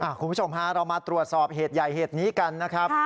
คุณผู้ชมฮะเรามาตรวจสอบเหตุใหญ่เหตุนี้กันนะครับ